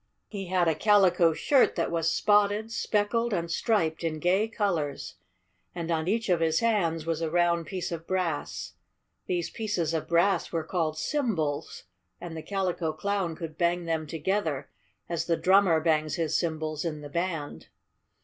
He had a calico shirt that was spotted, speckled and striped in gay colors, and on each of his hands was a round piece of brass. These pieces of brass were called "cymbals," and the Calico Clown could bang them together as the drummer bangs his cymbals in the band.